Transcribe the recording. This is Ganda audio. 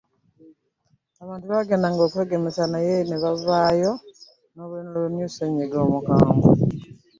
abantu bagenda nga okwegemesa naye me bavaayo n'obubonero new ssenyiga omukambwe.